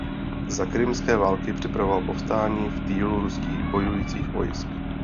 Za krymské války připravoval povstání v týlu ruských bojujících vojsk.